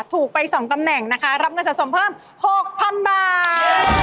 ถูกไป๒ตำแหน่งนะคะรับเงินสะสมเพิ่ม๖๐๐๐บาท